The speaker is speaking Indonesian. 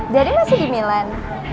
daddy masih di milan